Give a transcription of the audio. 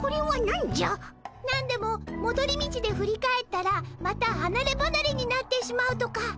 なんでももどり道で振り返ったらまたはなればなれになってしまうとか。